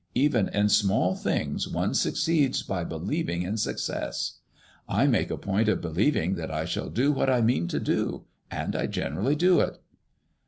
Even in small things one succeeds by believing in success. I make a point of believing that I shall do what I mean to do, and I generally do it."